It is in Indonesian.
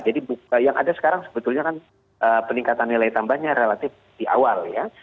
jadi yang ada sekarang sebetulnya kan peningkatan nilai tambahnya relatif di awal ya